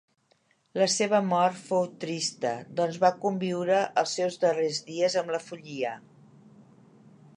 La seva mort fou trista doncs va conviure els seus darrers dies amb la follia.